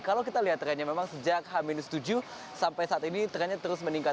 kalau kita lihat trennya memang sejak h tujuh sampai saat ini trennya terus meningkat